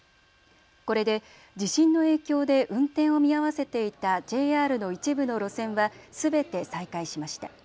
これで地震の影響で運転を見合わせていたＪＲの一部の路線はすべて再開しました。